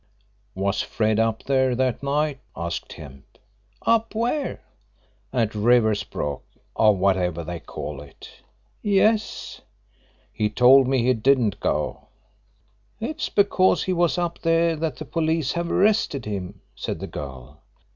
"Was Fred up there that night?" asked Kemp. "Up where?" "At Riversbrook, or whatever they call it." "Yes." "He told me he didn't go." "It's because he was up there that the police have arrested him," said the girl.